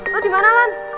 lo dimana lan